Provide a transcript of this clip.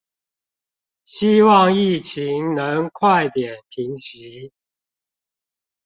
希望疫情能快點平息